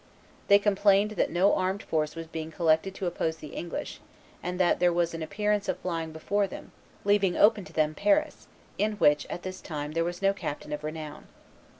They complained that no armed force was being collected to oppose the English, and that there was an appearance of flying before them, leaving open to them Paris, in which at this time there was no captain of renown.